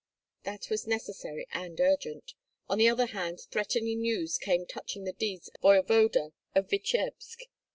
That was necessary and urgent. On the other hand threatening news came touching the deeds of the voevoda of Vityebsk.